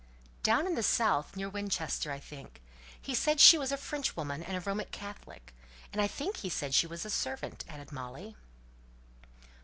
"Down in the south; near Winchester, I think. He said she was a Frenchwoman and a Roman Catholic; and I think he said she was a servant," added Molly.